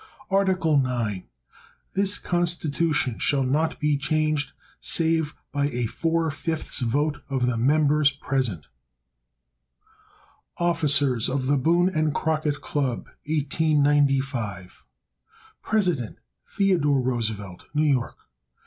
Article IX. This Constitution shall not be changed, save by a four fifths vote of the members present. Officers of the Boone and Crockett Club 1895 President. Theodore Roosevelt, New York.